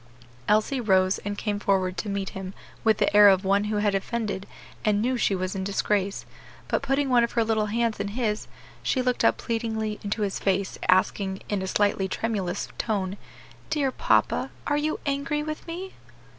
Elsie rose and came forward to meet him with the air of one who had offended and knew she was in disgrace; but putting one of her little hands in his, she looked up pleadingly into his face, asking, in a slightly tremulous tone, "Dear papa, are you angry with me?"